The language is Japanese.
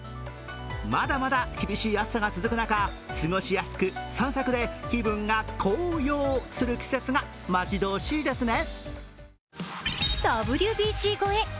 まだまだ厳しい暑さが続く中、過ごしやすく、散策で気分が高揚する季節が待ち遠しいですね。